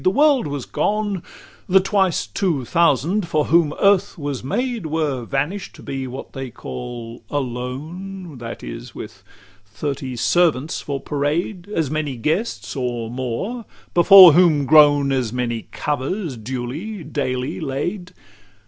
The world was gone; The twice two thousand, for whom earth was made, Were vanish'd to be what they call alone That is, with thirty servants for parade, As many guests, or more; before whom groan As many covers, duly, daily, laid.